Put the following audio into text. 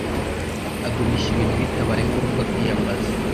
Agurisha ibintu bitabaye ngombwa kwiyambaza